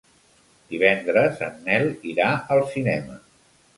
Divendres en Nel irà al cinema.